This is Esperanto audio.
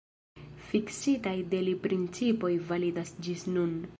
Fiksitaj de li principoj validas ĝis nun.